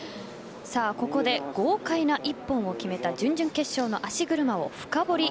ここで豪快な一本を決めた準々決勝の足車を深掘り